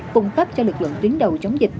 cung cấp cho lực lượng tuyến đầu chống dịch